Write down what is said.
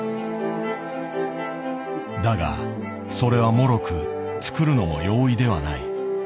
だがそれはもろく作るのも容易ではない。